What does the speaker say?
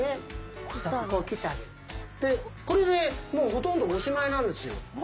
これでもうほとんどおしまいなんですよ。